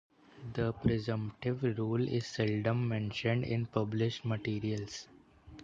The presumptive rule is seldom mentioned in published materials.